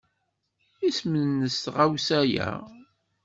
Isem-nnes tɣawsa-a?